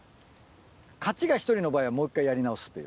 勝ちが１人の場合はもう１回やり直すっていう。